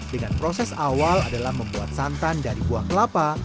dengan proses awal adalah membuat santan dari buah kelapa